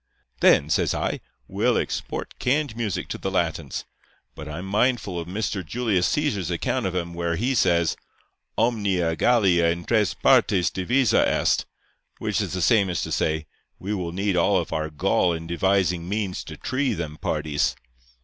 "'Then,' says I, 'we'll export canned music to the Latins; but I'm mindful of Mr. Julius Cæsar's account of 'em where he says: "Omnia Gallia in tres partes divisa est;" which is the same as to say, "We will need all of our gall in devising means to tree them parties."